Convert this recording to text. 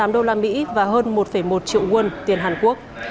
ba trăm sáu mươi tám đô la mỹ và hơn một một triệu won tiền hàn quốc